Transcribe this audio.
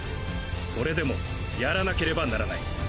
それでもやらなければならない。